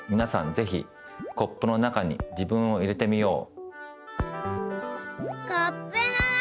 ぜひコップの中に自分を入れてみよう。